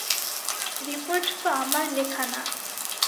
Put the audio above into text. Report তো আমার লেখা না।